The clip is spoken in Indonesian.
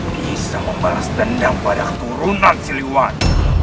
bisa membalas dendam pada keturunan siluan